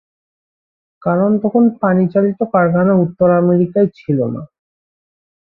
কারণ তখন পানি চালিত কারখানা উত্তর আমেরিকায় ছিল না।